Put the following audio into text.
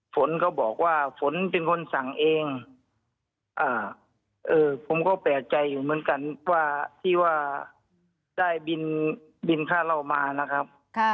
ฝนก็บอกว่าฝนเป็นคนสั่งเองผมก็แปลกใจอยู่เหมือนกันว่าที่ว่าได้บินค่าเหล้ามานะครับ